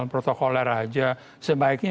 protokoler aja sebaiknya